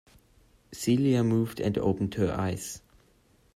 Celia moved and opened her eyes.